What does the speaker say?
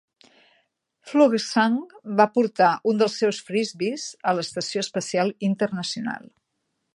Fuglesang va portar un dels seus frisbees a l'Estació Espacial Internacional.